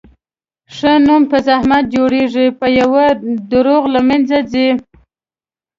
ښه نوم په زحمت جوړېږي، په یوه دروغ له منځه ځي.